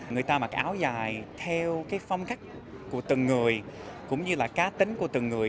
người ta mặc áo dài theo cái phong cách của từng người cũng như là cá tính của từng người